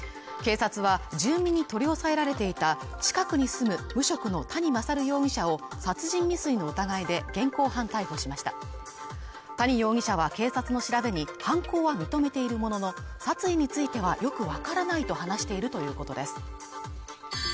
警察は住民に取り押さえられていた近くに住む無職の谷勝容疑者を殺人未遂の疑いで現行犯逮捕しました谷容疑者は警察の調べに犯行は認めているものの殺意についてはよく分からないと話しているということです